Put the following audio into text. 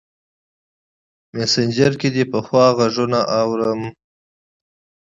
مسینجر کې دې پخوا غـــــــږونه اورم